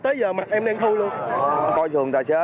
tới giờ mặt em đen thu luôn